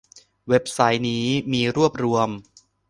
เว็บไซต์นี้มีรวบรวม